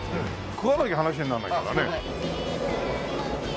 食わなきゃ話にならないからね。